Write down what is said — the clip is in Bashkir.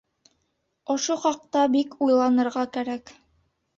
Ошо хаҡта бик уйланырға кәрәк.